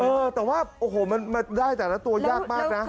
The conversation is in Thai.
เออแต่ว่าโอ้โหมันได้แต่ละตัวยากมากนะ